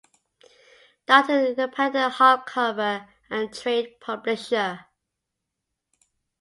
Dutton, an independent hardcover and trade publisher.